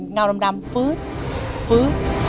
เงาดำฟื้นฟื๊ด